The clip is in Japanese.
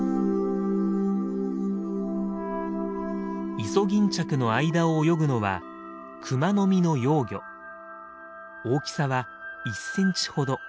イソギンチャクの間を泳ぐのは大きさは１センチほど。